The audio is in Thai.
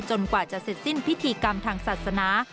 กว่าจะเสร็จสิ้นพิธีกรรมทางศาสนา